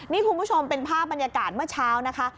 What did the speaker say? นี่คุณผู้ชมเป็นภาพบรรยากาศเมื่อเช้านะคะ